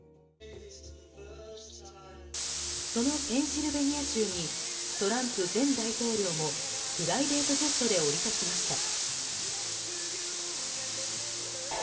そのペンシルベニア州にトランプ前大統領もプライベートジェットで降り立ちました。